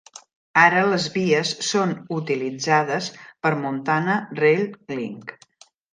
Ara, les vies són utilitzades per Montana Rail Link.